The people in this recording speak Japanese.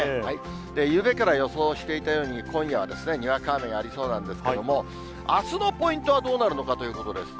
ゆうべから予想していたように、今夜はにわか雨がありそうなんですけども、あすのポイントはどうなるのかということです。